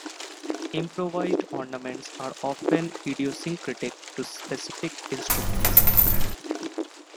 Improvised ornaments are often idiosyncratic to specific instruments.